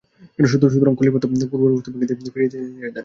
সুতরাং খলীফা তা ভেঙ্গে পূর্বাবস্থায় ফিরিয়ে নিতে নির্দেশ দেন।